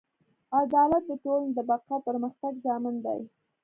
عدالت د ټولنې د بقا او پرمختګ ضامن دی.